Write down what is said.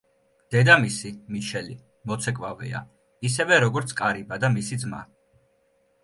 დედამისი, მიშელი, მოცეკვავეა, ისევე როგორც კარიბა და მისი ძმა.